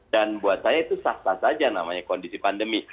dan buat saya itu sah sah saja namanya kondisi pandemi